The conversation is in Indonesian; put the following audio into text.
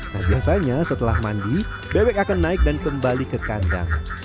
tak biasanya setelah mandi bebek akan naik dan kembali ke kandang